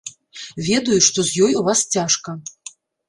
Ведаю, што з ёй у вас цяжка.